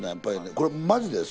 これマジですよ。